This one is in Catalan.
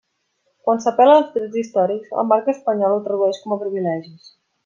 Quan s'apel·la als drets històrics, el marc espanyol ho tradueix com a privilegis.